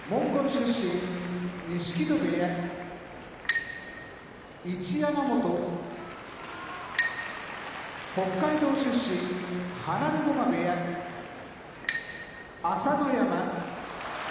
出身錦戸部屋一山本北海道出身放駒部屋朝乃山